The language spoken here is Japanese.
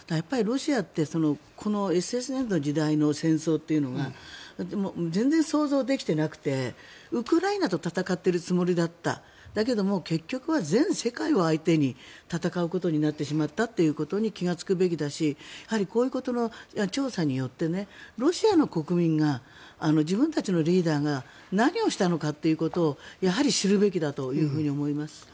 ロシアってＳＮＳの時代の戦争というのが全然、想像できてなくてウクライナと戦ってるつもりだっただけども結局は全世界を相手に戦うことになってしまったということに気がつくべきだしこういうことの調査によってロシアの国民が自分たちのリーダーが何をしたのかということを知るべきだと思います。